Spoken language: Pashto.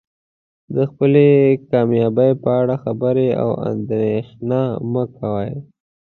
د خپلې کامیابۍ په اړه خبرې او اندیښنه مه کوئ.